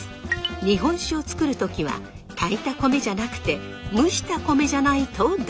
日本酒を造る時は炊いた米じゃなくて蒸した米じゃないとダメ。